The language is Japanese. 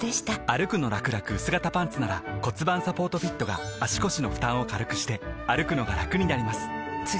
「歩くのらくらくうす型パンツ」なら盤サポートフィットが足腰の負担を軽くしてくのがラクになります覆个△